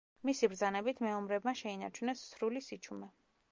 მისი ბრძანებით მეომრებმა შეინარჩუნეს სრული სიჩუმე.